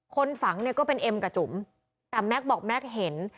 คนฝังเนี่ยก็เป็นเอ็มกับจุ๋มแต่แม็กซ์บอกแม็กซ์เห็น